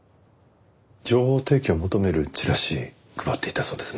情報提供を求めるチラシ配っていたそうですね。